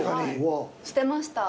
捨てました。